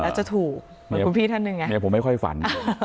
แล้วจะถูกเหมือนคุณพี่ท่านหนึ่งไงเมียผมไม่ค่อยฝัน